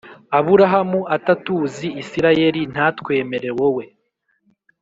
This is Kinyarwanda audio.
Aburahamu atatuzi isirayeli ntatwemere wowe